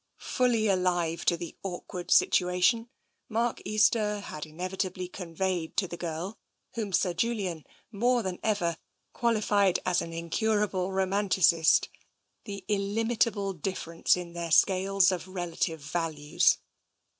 Fully alive to an awkward situation, Mark Easter had inevitably conveyed to the girl, whom Sir Julian, more than ever, qualified as an incurable romanticist, the illimitable difference in their scales of relative values.